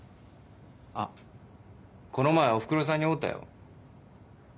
あっこの前おふくろさんに会うたよ。